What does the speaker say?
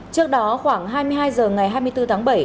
trước đó khoảng hai mươi hai h ngày hai mươi bốn tháng bảy